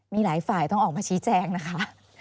มีหลายฝ่ายต้องออกมาชี้แจงนะคะ